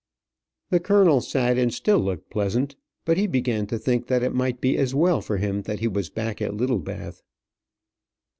The colonel sat and still looked pleasant, but he began to think that it might be as well for him that he was back at Littlebath.